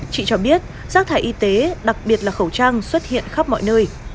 chị cho biết rác thải y tế đặc biệt là khẩu trang xuất hiện khắp mọi nơi